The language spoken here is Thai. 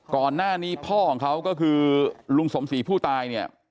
ก่อนหน้านี้พ่อของเขาก็คือลุงสมศรีผู้ตายเนี่ย